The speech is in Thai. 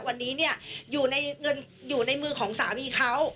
วันนี้เนี่ยอยู่ในมือของสามีเขา